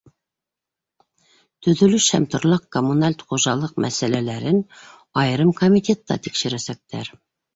Төҙөлөш һәм торлаҡ-коммуналь хужалыҡ мәсьәләләрен айырым комитетта тикшерәсәктәр.